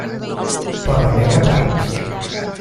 Però anem a pams.